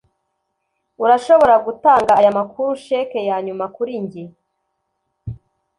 Urashobora gutanga aya makuru cheque yanyuma kuri njye?